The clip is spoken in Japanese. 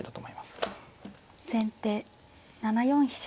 先手７四飛車。